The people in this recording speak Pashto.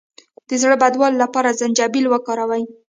د زړه بدوالي لپاره زنجبیل وکاروئ